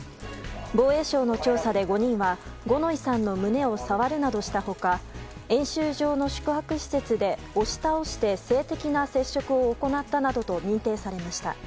防衛省の調査で、５人は五ノ井さんの胸を触るなどした他演習場の宿泊施設で押し倒して性的な接触を行ったなどと認定されました。